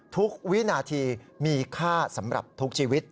วินาทีมีค่าสำหรับทุกชีวิต